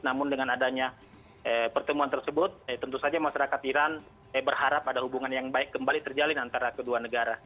namun dengan adanya pertemuan tersebut tentu saja masyarakat iran berharap ada hubungan yang baik kembali terjalin antara kedua negara